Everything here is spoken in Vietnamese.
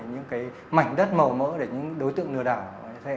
những mảnh đất màu mỡ để những đối tượng lừa đảo